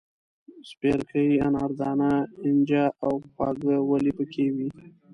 سپیرکۍ، اناردانه، اینجه او خواږه ولي پکې وې.